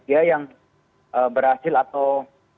dia yang berhasil atau